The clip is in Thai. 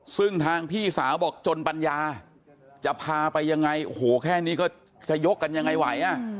ซึ่งทางพี่สาวบอกจนปัญญาจะพาไปยังไงโอ้โหแค่นี้ก็จะยกกันยังไงไหว